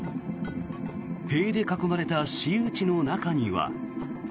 塀で囲まれた私有地の中には。